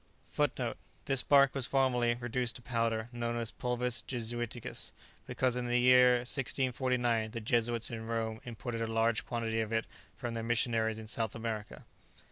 [Footnote 1: This bark was formerly, reduced to powder, known as "Pulvis Jesuiticus," because in the year 1649 the Jesuits in Rome imported a large quantity of it from their missionaries in South America.